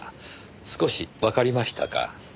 少しわかりましたか。